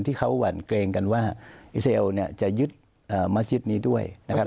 ที่เขาหวั่นเกรงกันว่าอิสราเอลเนี่ยจะยึดมาชิดนี้ด้วยนะครับ